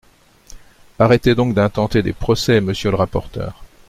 Arrêtez donc d’intenter des procès, monsieur le rapporteur.